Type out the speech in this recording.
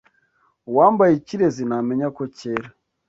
Uwambaye ikirezi ntamenya ko cyera